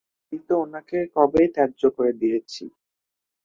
আমি তো ওনাকে কবেই ত্যায্য করে দিয়েছি।